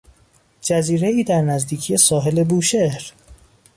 جزیرهای در نزدیکی ساحل بوشهر